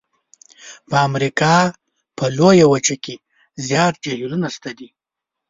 په امریکا په لویه وچه کې زیات جهیلونه شته دي.